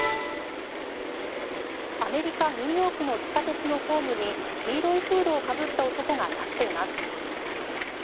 アメリカ・ニューヨークの地下鉄のホームに黄色いフードをかぶった男が立っています。